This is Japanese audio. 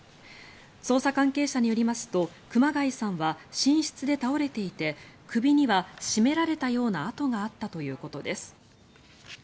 捜査関係者によりますと熊谷さんは寝室で倒れていて首には絞められたような痕があったということです。